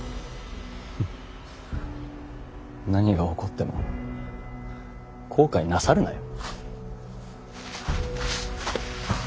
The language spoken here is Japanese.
ふん何が起こっても後悔なさるなよ！